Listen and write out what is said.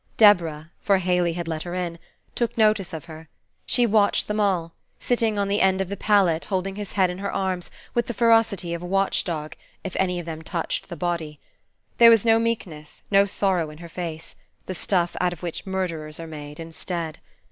Deborah (for Haley had let her in) took notice of her. She watched them all sitting on the end of the pallet, holding his head in her arms with the ferocity of a watch dog, if any of them touched the body. There was no meekness, no sorrow, in her face; the stuff out of which murderers are made, instead.